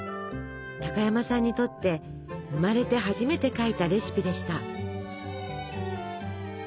高山さんにとって生まれて初めて書いたレシピでした。